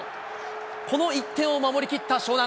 この１点を守りきった湘南。